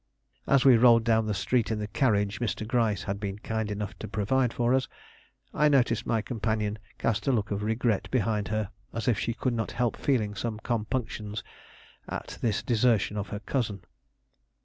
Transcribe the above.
As we rolled down the street in the carriage Mr. Gryce had been kind enough to provide for us, I noticed my companion cast a look of regret behind her, as if she could not help feeling some compunctions at this desertion of her cousin.